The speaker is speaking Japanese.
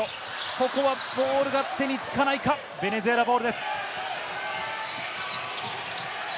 ここはボールが手につかないか、ベネズエラボールです。